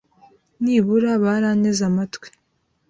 Nibura baranteze amatwi.